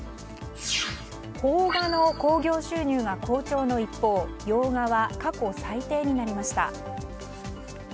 邦画の興行収入が好調の一方洋画は過去最低になりました。